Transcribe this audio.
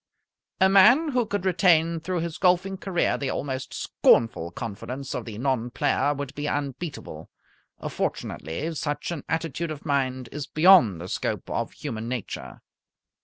A man who could retain through his golfing career the almost scornful confidence of the non player would be unbeatable. Fortunately such an attitude of mind is beyond the scope of human nature.